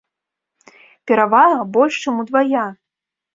Перавага больш чым удвая!